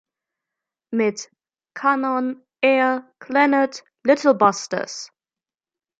Mit "Kanon", "Air", "Clannad", "Little Busters!